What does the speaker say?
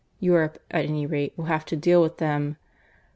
Europe, at any rate, will have to deal with them.